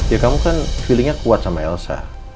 ya kamu kan feelingnya kuat sama elsa